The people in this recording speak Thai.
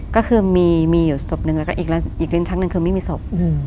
ก็คือมีอยู่ศพหนึ่งแล้วก็อีกลิ้นชักหนึ่งคือไม่มีศพ